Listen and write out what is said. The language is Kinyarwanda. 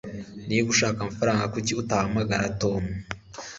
niba ushaka amafaranga, kuki utahamagara tom